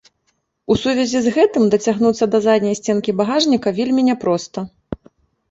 У сувязі з гэтым дацягнуцца да задняй сценкі багажніка вельмі няпроста.